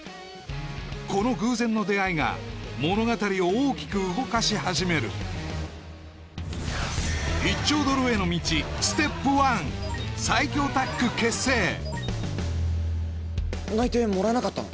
この偶然の出会いが物語を大きく動かし始める内定もらえなかったの？